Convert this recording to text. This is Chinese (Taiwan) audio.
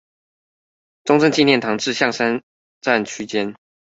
中正紀念堂至象山站區間